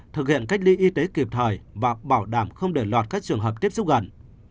thực hiện cách ly y tế kịp thời và bảo đảm không để lọt các trường hợp tiếp xúc gần